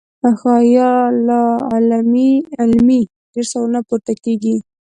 يا لا علمۍ ډېر سوالونه پورته کيږي -